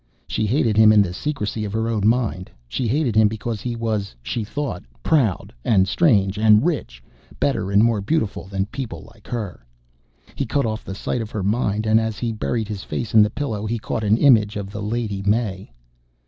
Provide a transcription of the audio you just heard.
She hated him in the secrecy of her own mind. She hated him because he was she thought proud, and strange, and rich, better and more beautiful than people like her. He cut off the sight of her mind and, as he buried his face in the pillow, he caught an image of the Lady May.